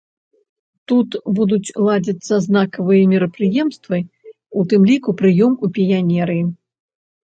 Тут будуць ладзіцца знакавыя мерапрыемствы, у тым ліку прыём у піянеры.